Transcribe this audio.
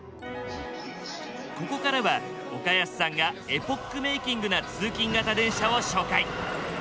ここからは岡安さんがエポックメイキングな通勤形電車を紹介。